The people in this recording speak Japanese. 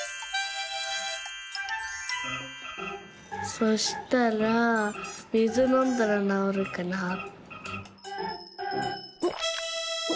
「そしたらみずのんだらなおるかなって」。